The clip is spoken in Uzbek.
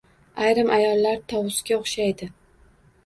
Ayrim ayollar tovusga o‘xshaydi.